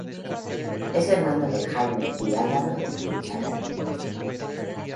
Es hermano de Jaime y Álvaro de Marichalar.